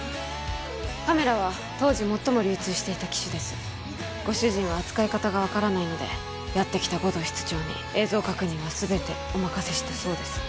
カメラは当時最も流通していた機種ですご主人は扱い方が分からないのでやってきた護道室長に映像確認は全てお任せしたそうです